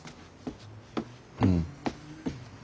うん。